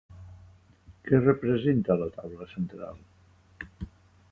Què representa la taula central?